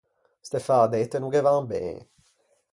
Ste fädette no ghe van ben.